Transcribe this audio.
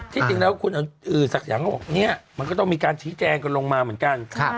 ที่จริงแล้วคุณอื่นสักอย่างก็บอกนี่มันก็ต้องมีการชี้แจงกันลงมาเหมือนกัน